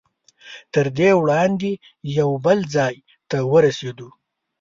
تر دې وړاندې یو بل ځای ته ورسېدو.